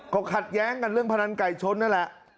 ก็ขัดแย้งกันเรื่องพนันไก่ชนนั่นแหละ